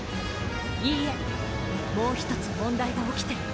いいえもうひとつ問題が起きている。